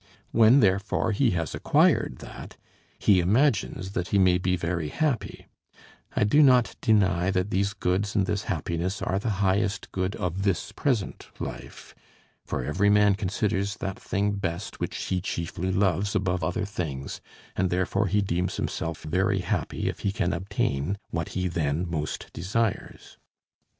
When therefore he has acquired that, he imagines that he may be very happy. I do not deny that these goods and this happiness are the highest good of this present life. For every man considers that thing best which he chiefly loves above other things, and therefore he deems himself very happy if he can obtain what he then most desires.